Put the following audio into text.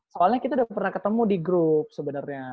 soalnya kita udah pernah ketemu di grup sebenarnya